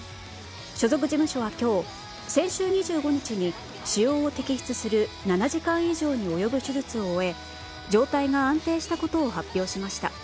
所属事務所は今日先週２５日に腫瘍を摘出する７時間以上に及ぶ手術を終え状態が安定したことを発表しました。